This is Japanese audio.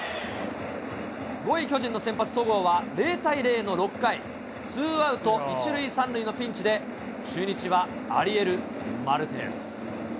５位巨人の先発、戸郷は、０対０の６回、ツーアウト１塁３塁のピンチで、中日はアリエル・マルティネス。